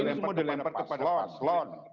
ini semua dilempar kepada paslon